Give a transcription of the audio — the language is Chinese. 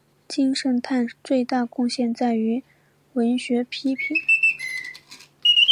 金圣叹最大贡献在于文学批评。